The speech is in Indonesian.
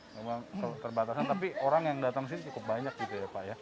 memang keterbatasan tapi orang yang datang ke sini cukup banyak gitu ya pak ya